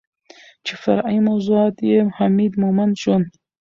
چې فرعي موضوعات يې حميد مومند ژوند